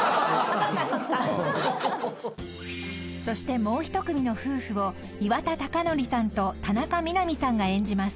［そしてもう１組の夫婦を岩田剛典さんと田中みな実さんが演じます］